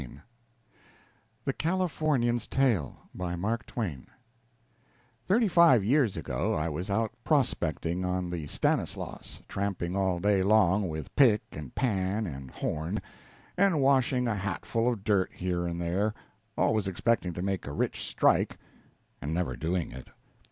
_ THE CALIFORNIAN'S TALE Thirty five years ago I was out prospecting on the Stanislaus, tramping all day long with pick and pan and horn, and washing a hatful of dirt here and there, always expecting to make a rich strike, and never doing it.